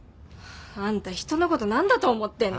あんた人のこと何だと思ってんの？